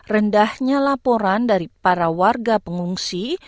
rendahnya laporan dari para warga pengungsi